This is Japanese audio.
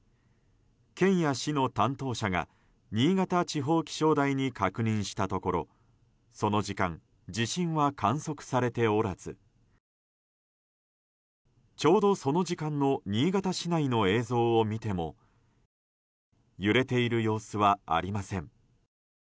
県や市の担当者が新潟地方気象台に確認したところその時間地震は観測されておらずちょうどその時間の新潟市内の映像を見ても揺れている様子はありません。